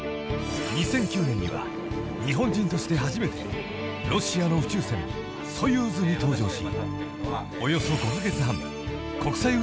［２００９年には日本人として初めてロシアの宇宙船ソユーズに搭乗し］